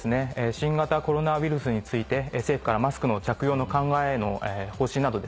新型コロナウイルスについて政府からマスクの着用の考えの方針などですね